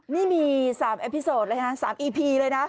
นี่มีสามเอพิโซดเลยนะสามอีพีเลยนะ